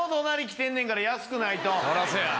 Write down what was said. そらそうや。